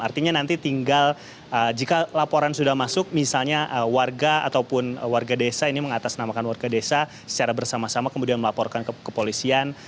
artinya nanti tinggal jika laporan sudah masuk misalnya warga ataupun warga desa ini mengatasnamakan warga desa secara bersama sama kemudian melaporkan ke kepolisian